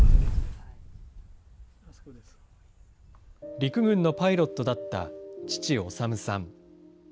陸軍のパイロットだった父、修さん。